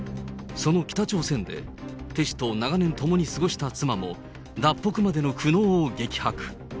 その北朝鮮で、テ氏と長年、共に過ごした妻も、脱北までの苦悩を激白。